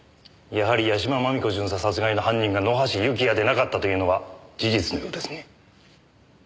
やはり屋島真美子巡査殺害の犯人が野橋幸也でなかったというのは事実のようですね。